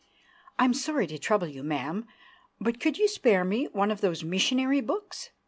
"I'm sorry to trouble you, ma'am, but could you spare me one of those Missionary books?"